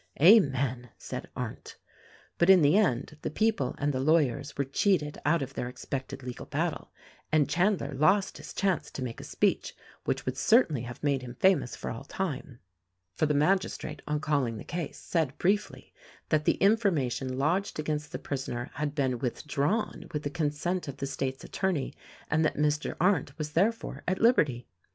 "Amen," said Arndt. But, in the end, the people and the lawyers were cheated out of their expected legal battle, and Chandler lost his chance to make a speech which would certainly have made him famous for all time. For the magistrate, on calling the case, said briefly, that the information lodged against the prisoner had been with drawn with the consent of the State's attorney and that Mr. Arndt was therefore at liberty.